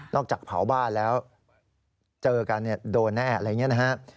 นอกจากเผาบ้านแล้วเจอกันโดนแน่เรผิวมีบัตร